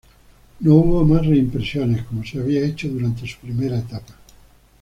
No hubo más reimpresiones, como se había hecho durante su primera etapa.